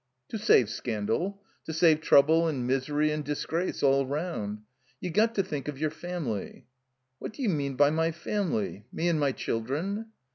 "To save scandal. To save trouble and misery and disgrace all roimd. You got to think of your family." "What do you mean by my family? Me and my children?"